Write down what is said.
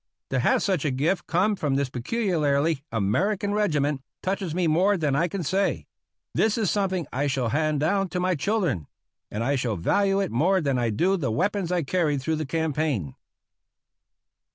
To have such a gift come from this peculiarly American regi ment touches me more than I can say. This is something I shall hand down to my children, and I shall value it more than I do the weapons I carried through the campaign.